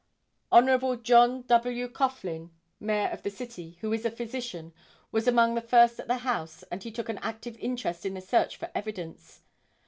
Hon. John W. Coughlin, mayor of the city, who is a physician, was among the first at the house and he took an active interest in the search for evidence.